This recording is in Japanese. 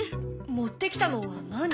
持ってきたのは何？